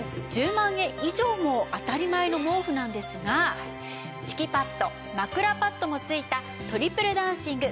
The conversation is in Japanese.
１０万円以上も当たり前の毛布なんですが敷きパッド枕パッドも付いたトリプル暖寝具